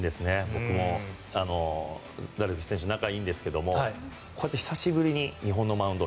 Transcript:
僕もダルビッシュ選手仲いいんですがこうやって久しぶりに日本のマウンド